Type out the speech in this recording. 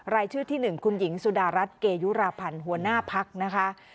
รายชื่อที่๑คุณหญิงสุดารัฐเกยุราพันธ์หัวหน้าพักนะคะ